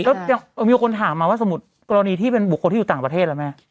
แล้วมีคนถามมาว่าสมมุติกรณีที่เป็นบุคคลที่อยู่ต่างประเทศแล้วแม่